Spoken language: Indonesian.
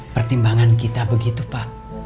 pertimbangan kita begitu pak